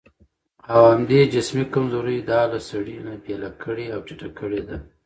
او همدې جسمي کمزورۍ دا له سړي نه بېله کړې او ټيټه کړې ده.